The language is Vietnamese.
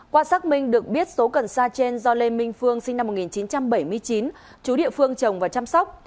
qua xác minh được biết số cần sa trên do lê minh phương sinh năm một nghìn chín trăm bảy mươi chín chú địa phương trồng và chăm sóc